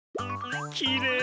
きれい！